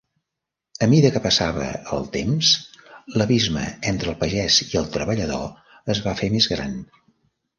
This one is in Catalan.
A mida que passava el temps, l'abisme entre el pagès i el treballador es va fer més gran.